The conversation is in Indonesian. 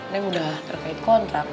neng udah terkait kontrak